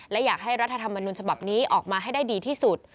และอยากให้รัฐธรรมนุนฉบับนี้ออกมาให้ได้ดีที่สุด